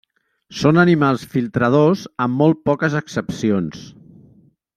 Són animals filtradors, amb molt poques excepcions.